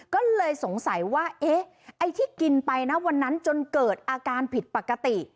ก็เลยสงสัยว่าเอ๊ะไอ้ที่กินไปนะวันนั้นจนเกิดอาการผิดปกติ